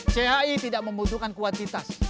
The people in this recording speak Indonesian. cai tidak membutuhkan kuantitas